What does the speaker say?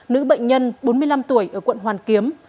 nữ bệnh nhân bốn mươi năm tuổi ở quận hoàn kiếm